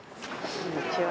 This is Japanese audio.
こんにちは。